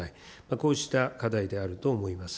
こうした課題であると思います。